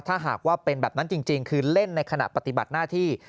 ถ้าหากว่าเป็นแบบนั้นจริงคือเล่นในขณะปฏิบัติหน้าที่